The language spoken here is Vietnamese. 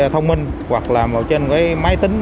thông minh hoặc là trên cái máy tính